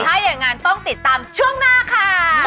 ถ้าอย่างนั้นต้องติดตามช่วงหน้าค่ะ